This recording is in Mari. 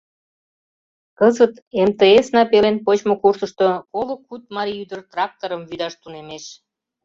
Кызыт МТС-на пелен почмо курсышто коло куд марий ӱдыр тракторым вӱдаш тунемеш!